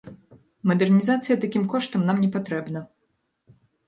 Мадэрнізацыя такім коштам нам не патрэбна.